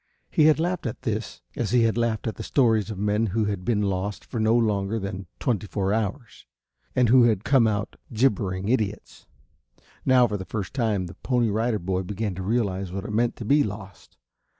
He had laughed at this as he had laughed at the stories of men who have been lost for no longer than twenty four hours, and who had come out gibbering idiots. Now for the first time the Pony Rider Boy began to realize what it meant to be lost.